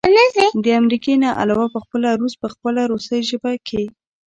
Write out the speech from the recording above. د امريکې نه علاوه پخپله روس په خپله روسۍ ژبه کښې